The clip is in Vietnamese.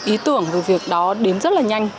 ý tưởng về việc đó đếm rất là nhanh